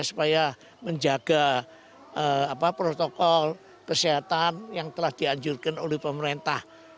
supaya menjaga protokol kesehatan yang telah dianjurkan oleh pemerintah